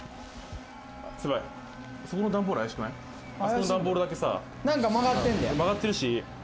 あそこの段ボールだけ、曲がってるし。